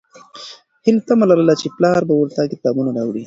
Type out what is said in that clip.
هیلې تمه لرله چې پلار به ورته کتابونه راوړي.